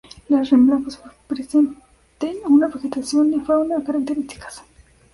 Las ramblas presenten una vegetación y fauna características.